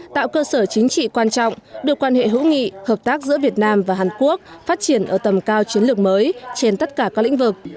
tạo cơ sở chính trị quan trọng đưa quan hệ hữu nghị hợp tác giữa việt nam và hàn quốc phát triển ở tầm cao chiến lược mới trên tất cả các lĩnh vực